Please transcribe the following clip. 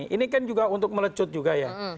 ini kan juga untuk melecut juga ya